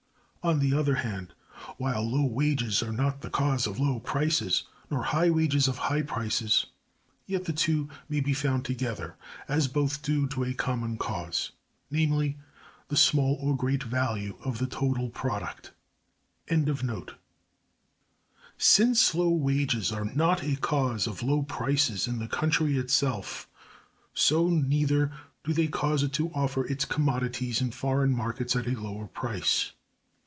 On the other hand, while low wages are not the cause of low prices nor high wages of high prices, yet the two may be found together, as both due to a common cause, viz., the small or great value of the total product.(291) Since low wages are not a cause of low prices in the country itself, so neither do they cause it to offer its commodities in foreign markets at a lower price.